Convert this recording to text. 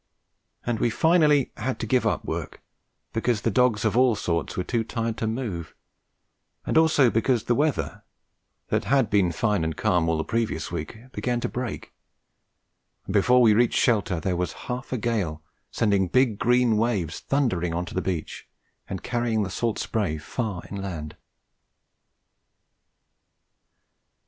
We finally had to give up work because the dogs of all sorts were too tired to move, and also because the weather, that had been fine and calm all the previous week, began to break, and before we reached shelter there was half a gale sending big green waves thundering on to the beach and carrying the salt spray far inland.